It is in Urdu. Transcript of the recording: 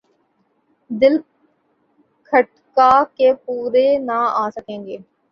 دل کھٹکا کہ پورے نہ آسکیں گے ۔